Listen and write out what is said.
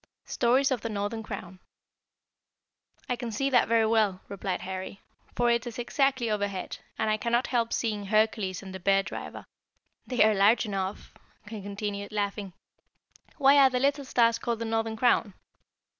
STORIES OF THE NORTHERN CROWN. "I can see that very well," replied Harry, "for it is exactly overhead, and I cannot help seeing Hercules and the Bear driver. They are large enough," he continued, laughing. "Why are the little stars called the Northern Crown?"